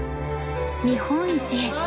日本一へ。